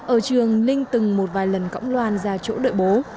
ở trường linh từng một vài lần cõng loan ra chỗ đợi bố